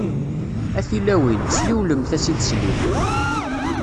A tilawin, slilwemt-as i teslit!